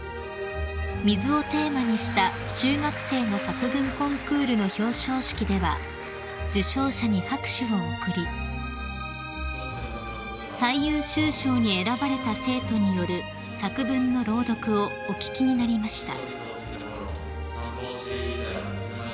［水をテーマにした中学生の作文コンクールの表彰式では受賞者に拍手を送り最優秀賞に選ばれた生徒による作文の朗読をお聞きになりました］